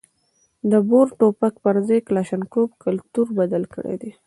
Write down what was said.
د بور ټوپک پر ځای کلاشینکوف کلتور بدل کړی دی.